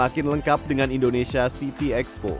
dan semakin lengkap dengan indonesia city expo